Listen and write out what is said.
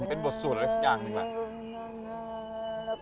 มันเป็นบทสวดพวกสุดสิ่งอีก